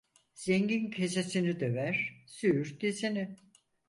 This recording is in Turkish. Zengin kesesini döver, züğürt dizini.